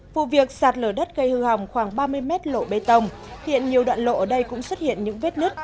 vụ việc sạt lở đất gây hư hỏng khoảng ba mươi mét lộ bê tông hiện nhiều đoạn lộ ở đây cũng xuất hiện những vết nứt